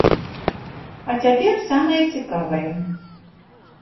А цяпер самае цікавае.